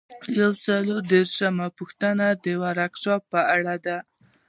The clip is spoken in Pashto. یو سل او دیرشمه پوښتنه د ورکشاپ په اړه ده.